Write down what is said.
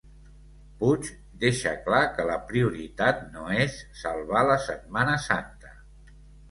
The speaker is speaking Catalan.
Puig deixa clar que la prioritat no és “salvar la Setmana Santa”